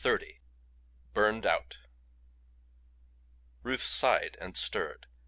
BURNED OUT Ruth sighed and stirred.